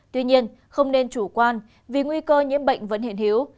tuy nhiên không nên chủ quan vì nguy cơ nhiễm bệnh vẫn hiện hiếu